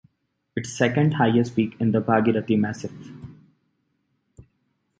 Its second highest peak in the Bhagirathi Massif.